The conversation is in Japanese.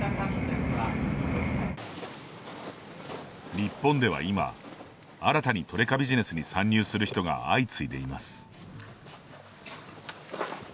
日本では今、新たにトレカビジネスに参入する人が相次いでいます。